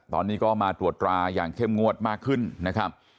ตอนนี้ก็มาตรวจตราอย่างเข้มงวดมากขึ้นนะครับ